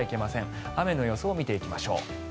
雨の予想を見ていきます。